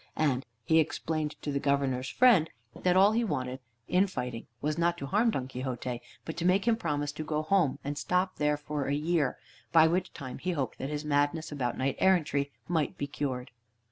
And he explained to the Governor's friend that all he wanted in fighting was, not to harm Don Quixote, but to make him promise to go home, and stop there for a year, by which time he hoped that his madness about knight errantry might be cured.